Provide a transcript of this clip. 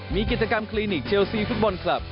มีกิจกรรมคลินิกเชลซีฟุตบอลคลับ